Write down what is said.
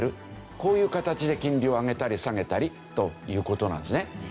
こういう形で金利を上げたり下げたりという事なんですね。